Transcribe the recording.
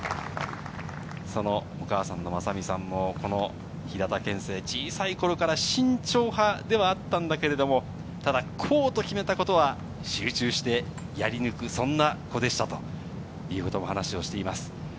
お母さんのまさみさんも平田憲聖は小さい頃から慎重派ではあったんだけれども、こうと決めたことは集中してやり抜く、そんな子でしたと話しています。